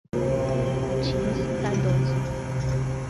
Matias Cardoso